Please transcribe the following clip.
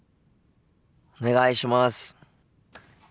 お願いします。